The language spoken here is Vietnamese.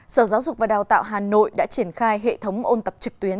sở giáo dục và đào tạo hà nội đã triển khai hệ thống ôn tập trực tuyến